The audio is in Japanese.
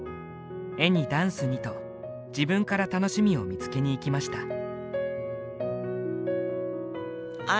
絵にダンスにと自分から楽しみを見つけにいきました。